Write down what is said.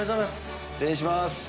失礼します。